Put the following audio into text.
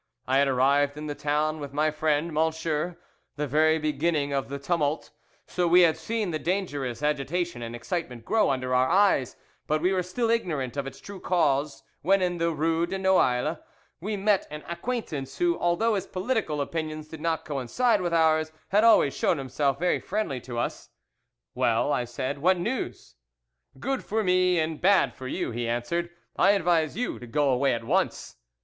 I had arrived in the town with my friend M____ the very beginning of the tumult, so we had seen the dangerous agitation and excitement grow under our eyes, but we were still ignorant of its true cause, when, in the rue de Noailles, we met an acquaintance, who, although his political opinions did not coincide with ours, had always shown himself very friendly to us. 'Well,' said I, 'what news?' 'Good for me and bad for you,' he answered;' I advise you to go away at once.